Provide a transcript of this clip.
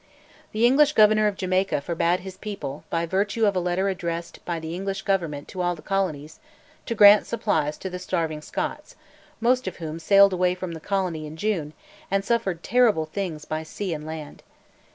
The English Governor of Jamaica forbade his people, by virtue of a letter addressed by the English Government to all the colonies, to grant supplies to the starving Scots, most of whom sailed away from the colony in June, and suffered terrible things by sea and land.